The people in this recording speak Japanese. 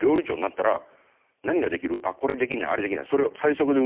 あっこれできないあれできない。